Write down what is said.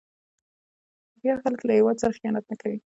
هوښیار خلک له هیواد سره خیانت نه کوي.